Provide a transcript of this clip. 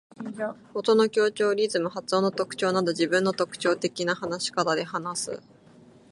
音の強調、リズム、発音の特徴など自分の特徴的な話し方で話す。